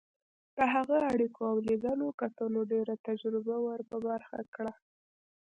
د هغه اړیکو او لیدنو کتنو ډېره تجربه ور په برخه کړه.